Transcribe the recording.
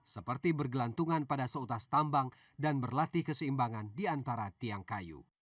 seperti bergelantungan pada seutas tambang dan berlatih keseimbangan di antara tiang kayu